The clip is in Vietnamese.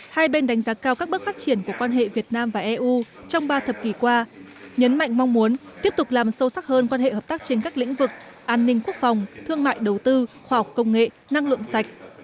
hai bên đánh giá cao các bước phát triển của quan hệ việt nam và eu trong ba thập kỷ qua nhấn mạnh mong muốn tiếp tục làm sâu sắc hơn quan hệ hợp tác trên các lĩnh vực an ninh quốc phòng thương mại đầu tư khoa học công nghệ năng lượng sạch